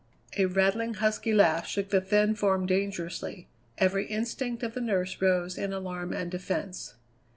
A rattling, husky laugh shook the thin form dangerously. Every instinct of the nurse rose in alarm and defence.